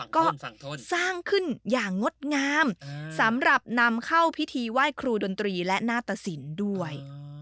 ก็สร้างขึ้นอย่างงดงามสำหรับนำเข้าพิธีไหว้ครูดนตรีและหน้าตสินด้วย